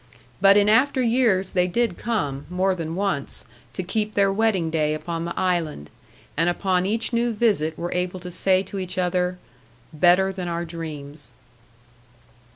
But in after years they did come, more than once, to keep their wedding day upon the island, and upon each new visit were able to say to each other, "Better than our dreams."